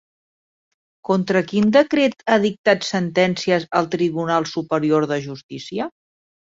Contra quin decret ha dictat sentències el Tribunal Superior de Justícia?